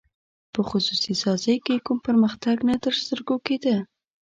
په خصوصي سازۍ کې کوم پرمختګ نه تر سترګو کېده.